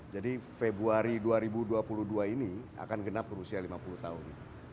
jadi februari dua ribu dua puluh dua ini akan genap berusia lima puluh tahun